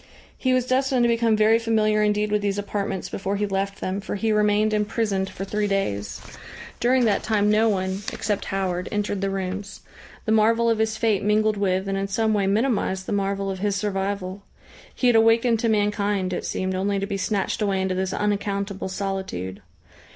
He was destined to become very familiar indeed with these apartments before he left them, for he remained imprisoned for three days. During that time no one, except Howard, entered the rooms. The marvel of his fate mingled with and in some way minimised the marvel of his survival. He had awakened to mankind it seemed only to be snatched away into this unaccountable solitude.